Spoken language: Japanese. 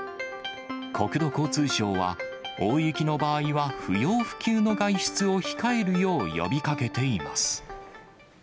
国土交通省は、大雪の場合は不要不急の外出を控えるよう呼びかけています。